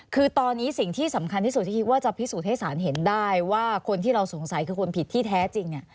คือตอนนี้สิ่งที่สำคัญที่สุดที่คิดว่าจะพิสูจน์ให้สารเห็นได้ว่าคนที่เราสงสัยคือคนผิดที่แท้จริงเนี่ย